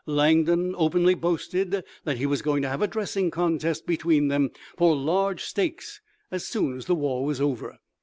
Langdon openly boasted that he was going to have a dressing contest between them for large stakes as soon as the war was over.